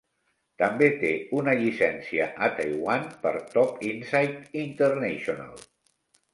També té una llicencia a Taiwan per Top-Insight International.